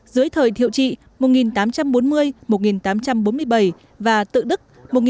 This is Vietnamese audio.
dưới thời thiệu trị một nghìn tám trăm bốn mươi một nghìn tám trăm bốn mươi bảy và tự đức một nghìn tám trăm bốn mươi bảy một nghìn tám trăm tám mươi ba